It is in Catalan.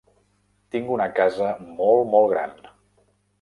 Tinc una casa molt molt gran.